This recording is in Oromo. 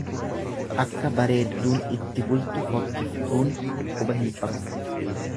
Akka bareedduun itti bultu fokkiftuun quba hin qabdu.